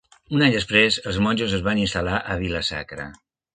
Un any després, els monjos es van instal·lar a Vila-sacra.